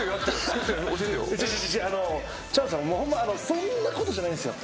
そんなことじゃないんすよ。